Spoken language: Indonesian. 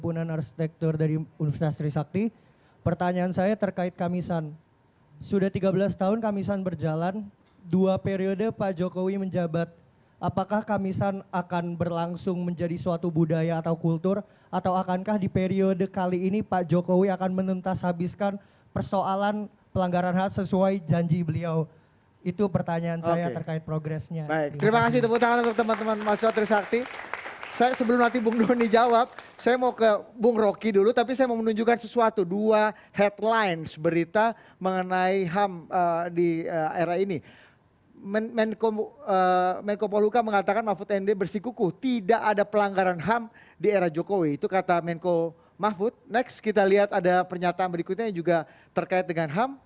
next kita lihat ada pernyataan berikutnya yang juga terkait dengan ham